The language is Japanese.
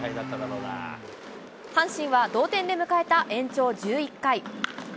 阪神は同点で迎えた延長１１回。